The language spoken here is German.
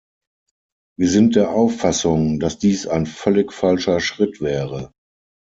Wir sind der Auffassung, dass dies ein völlig falscher Schritt wäre.